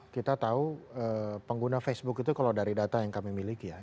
kita tahu pengguna facebook itu kalau dari data yang kami miliki ya